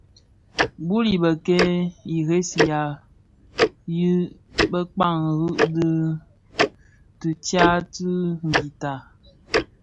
Bul i bëkéé yi ressiya yi bëkpàg rì di đì tyën ti ngüità.